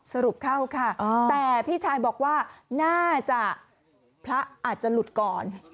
สรุปเข้าค่ะแต่พี่ชายบอกว่าน่าจะพระอาจจะหลุดก่อน